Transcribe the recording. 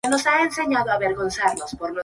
Es la capital de la gobernación de Di Car.